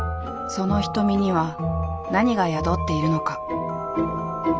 その瞳には何が宿っているのか？